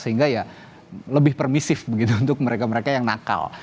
sehingga ya lebih permisif begitu untuk mereka mereka yang nakal